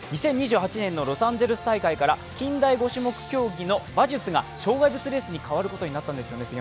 ２０２８年のロサンゼルス大会から近代五種競技の馬術が障害物レースに変わることになったんですね。